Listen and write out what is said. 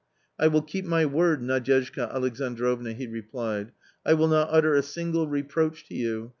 "I will keep my word, Nadyezhda Alexandrovna," he replied, " I will not utter a single reproach to you.